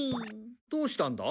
どうしたんだ？